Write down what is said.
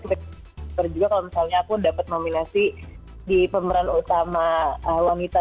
terus juga kalau misalnya aku dapat nominasi di pemeran utama wanita